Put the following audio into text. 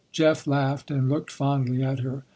Jeff laughed and looked fondly at her.